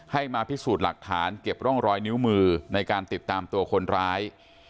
ให้มาพิสูจน์หลักฐานเก็บร่องรอยนิ้วมือในการติดตามตัวคนร้าย